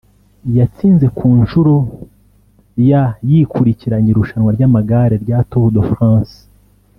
yatsinze ku nshuro ya yikurikiranya irushanwa ry’amagare rya Tour de France